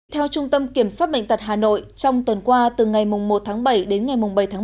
theo trung tâm kiểm soát bệnh tật hà nội trong tuần qua từ ngày một tháng bảy đến ngày bảy tháng bảy